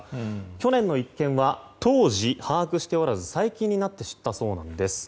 去年の一件は当時把握しておらず最近になって知ったそうなんです。